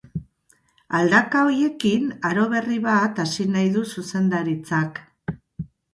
Aldaka horiekin aro berri bat hasi nahi du zuzendaritzak.